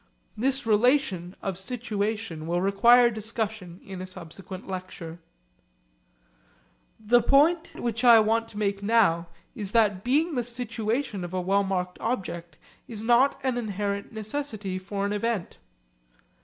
This relation of situation will require discussion in a subsequent lecture. The point which I want to make now is that being the situation of a well marked object is not an inherent necessity for an event.